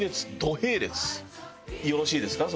よろしいですか？